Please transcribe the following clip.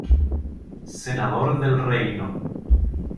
Senador del Reino.